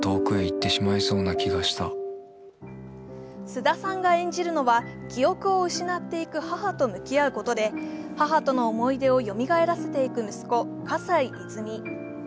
菅田さんが演じるのは記憶を失っていく母と向き合うことで母との思い出をよみがえらせていく息子、葛西泉。